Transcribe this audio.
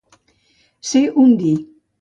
Ser un dir.